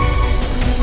tidak ada masalah